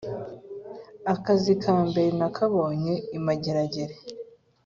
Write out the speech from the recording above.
akazi ka mbere nakabonye i mageragere